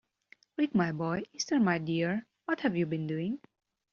Rick, my boy, Esther, my dear, what have you been doing?